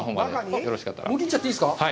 行っちゃっていいですか。